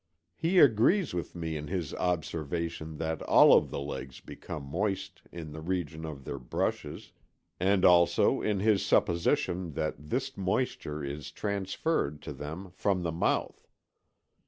He agrees with me in his observation that all of the legs become moist in the region of their brushes and also in his supposition that this moisture is transferred to them from the mouth.